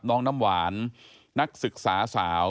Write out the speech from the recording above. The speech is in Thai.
น้ำหวานนักศึกษาสาว